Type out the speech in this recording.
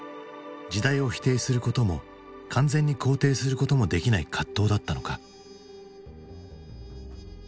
時代を否定することも完全に肯定することもできない葛藤だったのか。